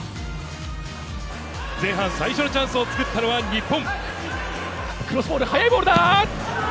前半、最初のチャンスを作ったのは日本。